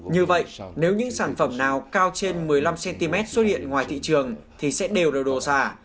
như vậy nếu những sản phẩm nào cao trên một mươi năm cm xuất hiện ngoài thị trường thì sẽ đều được đổ xả